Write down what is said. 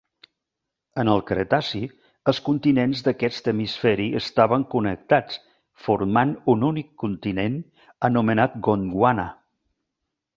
En el Cretaci, els continents d'aquest hemisferi estaven connectats, formant un únic continent anomenat Gondwana.